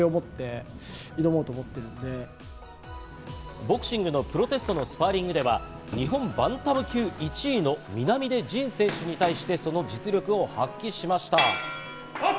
ボクシングのプロテストのスパーリングでは日本バンタム級１位の南出仁選手に対して、その実力を発揮しました。